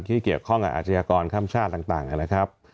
ที่เกี่ยวข้องกับอาชญากรข้ามชาติต่างนะครับ